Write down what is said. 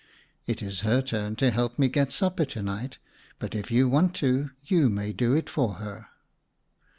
It is her turn to help me get supper to night, but if you want to, you may do it for her."